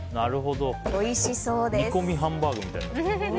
煮込みハンバーグみたいな。